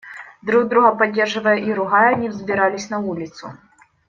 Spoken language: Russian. Друг друга поддерживая и ругая они взбирались на улицу.